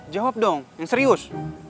jawab dong yang serius